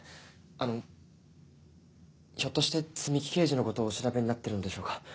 あのひょっとして摘木刑事のことをお調べになってるんでしょうか？